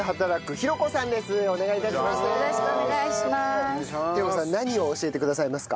ひろ子さん何を教えてくださいますか？